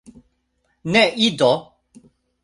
Ne, Ido!